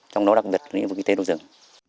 trong đó đặc biệt là lĩnh vực kinh tế đồ rừng